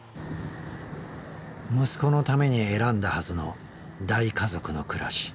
息子のために選んだはずの大家族の暮らし。